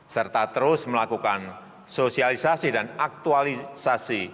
serta terus melakukan sosialisasi dan aktualisasi